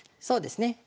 そうですね。